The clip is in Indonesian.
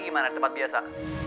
gimana di tempat biasa